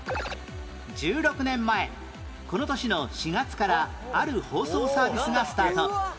１６年前この年の４月からある放送サービスがスタート